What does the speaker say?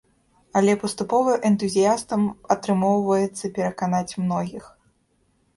Але паступова энтузіястам атрымоўваецца пераканаць многіх.